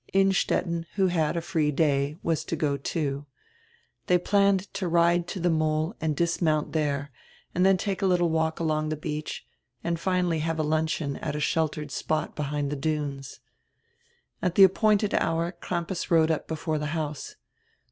Innstetten, who had a free day, was to go too. They planned to ride to die mole and dismount diere, dien take a littie walk along die beach and finally have luncheon at a sheltered spot behind die dunes. At die appointed hour Crampas rode up before dre house.